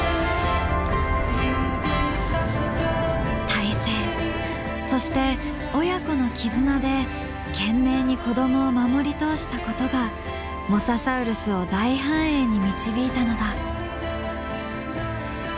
胎生そして親子の絆で懸命に子どもを守り通したことがモササウルスを大繁栄に導いたのだ。